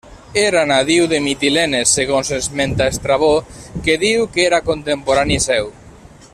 Era nadiu de Mitilene segons esmenta Estrabó que diu que era contemporani seu.